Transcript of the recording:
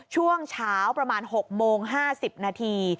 ช่วงเช้าประมาณ๖โมง๕๐นาที